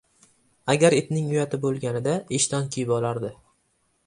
• Agar itning uyati bo‘lganida ishton kiyib olardi.